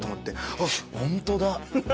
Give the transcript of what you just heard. あっ本当だ。